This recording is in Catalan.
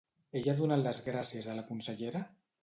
Ell ha donat les gràcies a la consellera?